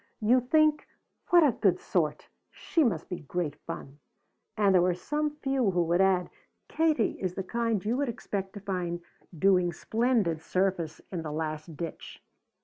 "You think, 'What a good sort! She must be great fun!'" And there were some few who would add: "Katie is the kind you would expect to find doing splendid service in that last ditch."